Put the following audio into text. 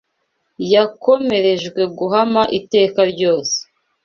Yakomerejwe guhama iteka ryose